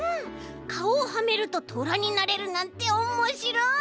かおをはめるとトラになれるなんておもしろい！